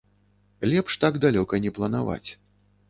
Лепш так далёка не планаваць.